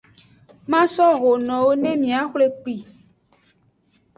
Maso ho nowo ne miaxwle kpi.